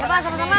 ya pak sama sama